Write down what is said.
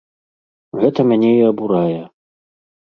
Гэта мяне і абурае!